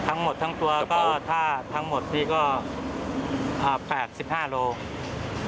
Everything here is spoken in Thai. ทั้งหมดทั้งตัวก็ถ้าทั้งหมดพี่ก็๘๕โลกรัม